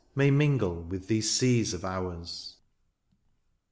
May mingle with these seas of ours.